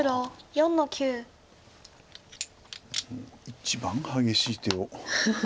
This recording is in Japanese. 一番激しい手を。